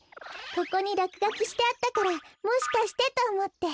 ここにらくがきしてあったからもしかしてとおもって。